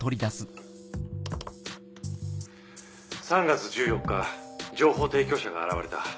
３月１４日情報提供者が現れた。